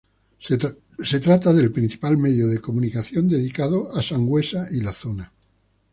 Se trata del principal medio de comunicación dedicado a Sangüesa y la zona.